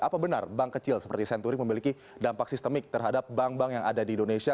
apa benar bank kecil seperti senturi memiliki dampak sistemik terhadap bank bank yang ada di indonesia